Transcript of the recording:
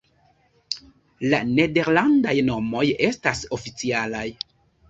La nederlandaj nomoj estas la oficialaj.